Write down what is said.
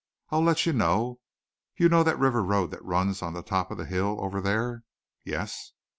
I'll let you know. You know that river road that runs on the top of the hill over there?" "Yes."